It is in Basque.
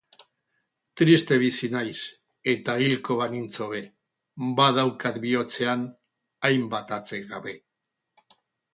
Triste bizi naiz eta hilko banintz hobe, badaukat bihotzean hainbat atsekabe.